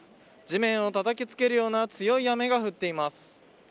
地面をたたきつけるような強い雨が降っています。